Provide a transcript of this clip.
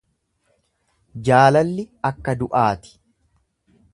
Jaalalli akka du'aa ti.